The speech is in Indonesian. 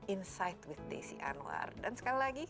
insight with desi anwar dan sekali lagi